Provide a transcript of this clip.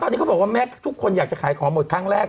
ตอนนี้เขาบอกว่าแม่ทุกคนอยากจะขายของหมดครั้งแรก